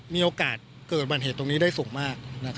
มีโอกาสเกิดอุบัติเหตุตรงนี้ได้สูงมาก